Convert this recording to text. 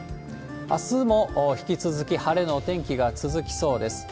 あすも引き続き晴れのお天気が続きそうです。